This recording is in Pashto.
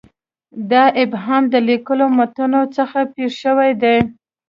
دا ابهام د لیکلو متونو څخه پېښ شوی دی.